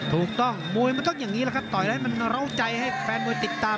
มวยมันต้องอย่างนี้แหละครับต่อยแล้วให้มันเล้าใจให้แฟนมวยติดตาม